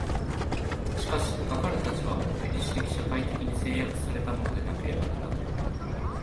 しかしかかる立場も、歴史的社会的に制約せられたものでなければならない。